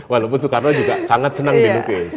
walaupun soekarno juga sangat senang dimukis